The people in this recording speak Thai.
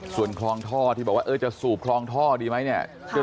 ส่วนคลองท่อที่บอกว่าจะสูบคลองท่อดีไหมเนี่ย